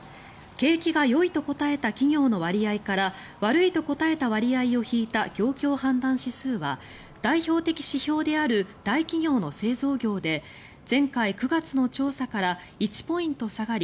景気がよいと答えた企業の割合から悪いと答えた割合を引いた業況判断指数は代表的指標である大企業の製造業で前回９月の調査から１ポイント下がり